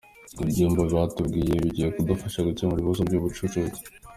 Ibyumba batwubakiye bigiye kudufasha gukemura ikibazo cy’ubucucuke.